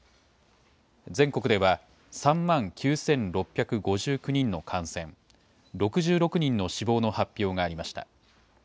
全国では３万９６５９人の感染、６６人の死亡の発表がありました。